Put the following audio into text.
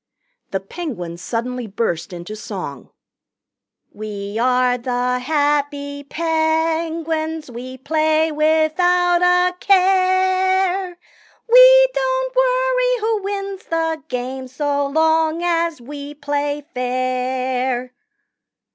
The Penguins suddenly burst into song: "We are the happy Penguins We play without a care; We don't worry who wins the game, So long as we play fair!"